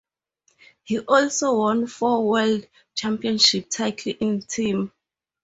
He also won four World Championship titles in Team.